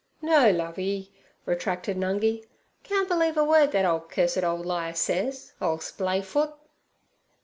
'No, Lovey' retracted Nungi. 'Carn't believe a word thet ole cursed ole liar sez, ole splay foot!'